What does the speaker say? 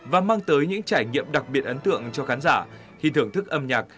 và mang tới những trải nghiệm đặc biệt ấn tượng cho khán giả khi thưởng thức âm nhạc